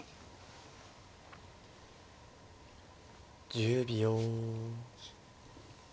１０秒。